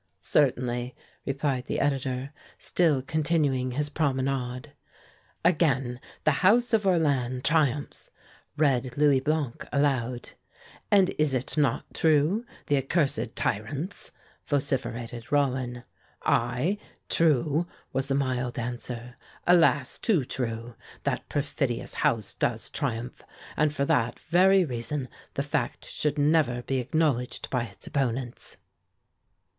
"Certainly," replied the editor, still continuing his promenade. "'Again the House of Orléans triumphs!'" read Louis Blanc, aloud. "And is it not true the accursed tyrants?" vociferated Rollin. "Aye, true!" was the mild answer; "alas, too true! That perfidious House does triumph, and for that very reason the fact should never be acknowledged by its opponents."